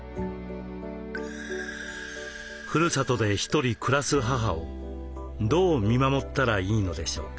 ふるさとで一人暮らす母をどう見守ったらいいのでしょうか。